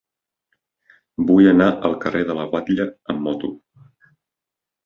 Vull anar al carrer de la Guatlla amb moto.